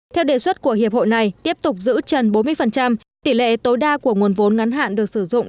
theo đề xuất của hiệp hội này tiếp tục giữ trần bốn mươi tỷ lệ tối đa của nguồn vốn ngắn hạn được sử dụng